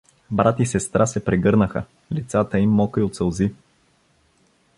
Брат и сестра се прегърнаха… Лицата им мокри от сълзи.